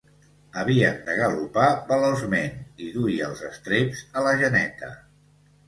Havien de galopar veloçment i duia els estreps a la geneta.